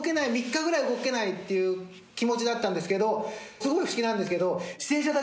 すごい不思議なんですけど。